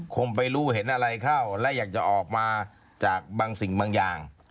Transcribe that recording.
คงไปรู้เห็นอะไรเข้าและอยากจะออกมาจากบางสิ่งบางอย่าง